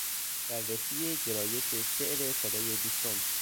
بررسی گرایش شعر سدهی بیستم